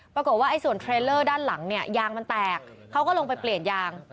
ปรากฏว่าส่วนเทรลเลอร์ด้านหลังเนี่ยยางมันแตกเขาก็ลงไปเปลี่ยนยาง